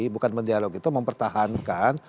bukan berdialog itu mempertahankan